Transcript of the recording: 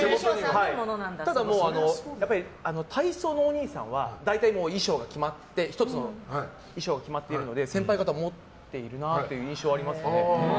ただ、体操のおにいさんは大体、１つの衣装が決まっているので先輩方、持っているなという印象はありますね。